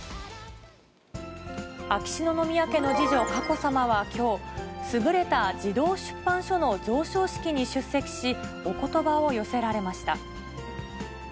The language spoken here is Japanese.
秋篠宮家の次女、佳子さまはきょう、すぐれた児童出版書の贈賞式に出席し、おことばを寄せられました。